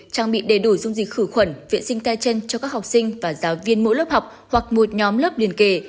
trang bị đầy đủ dung dịch khử khuẩn vệ sinh tay chân cho các học sinh và giáo viên mỗi lớp học hoặc một nhóm lớp liền kề